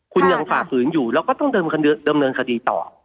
คุณยังฝ่าฝืนอยู่แล้วก็ต้องดำเนินคดีต่อ